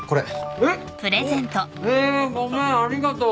えっ？えごめんありがとう。